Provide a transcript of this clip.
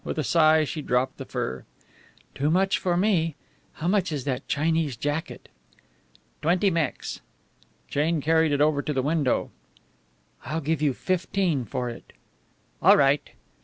With a sigh she dropped the fur. "Too much for me. How much is that Chinese jacket?" "Twenty Mex." Jane carried it over to the window. "I will give you fifteen for it." "All right."